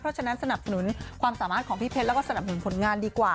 เพราะฉะนั้นสนับสนุนความสามารถของพี่เพชรแล้วก็สนับสนุนผลงานดีกว่า